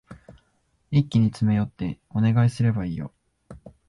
一気に詰め寄ってお願いすればいいよ。